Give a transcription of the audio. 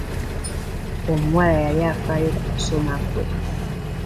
Omuwala yali afaayo ku kusoma kwe.